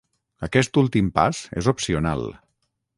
Aquest últim pas és opcional